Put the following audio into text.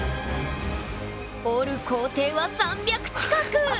折る工程は３００近く！